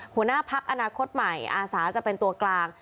หัวหน้าพักอนาคตใหม่อาสาจะเป็นตัวกลาง